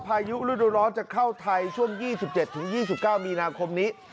พายุฤดูร้อนจะเข้าไทยช่วง๒๗๒๙มีนาคมนี้